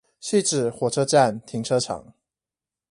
汐止火車站停車場